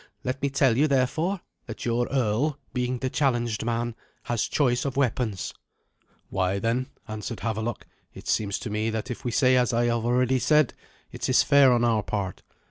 Let me tell you, therefore, that your earl, being the challenged man, has choice of weapons. "Why, then," answered Havelok, "it seems to me that if we say as I have already said, it is fair on our part.